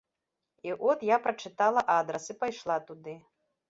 І от я прачытала адрас і пайшла туды.